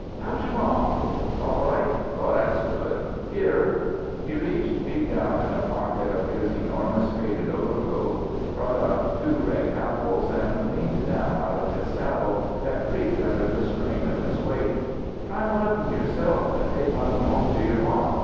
How's your ma? All right? That's good. Here " He reached deep down in a pocket of his enormous faded overcoat, brought out two red apples, and leaned down out of his saddle, that creaked under the strain of his weight. "Try one of 'em yourself, an' take one of 'em home to your ma.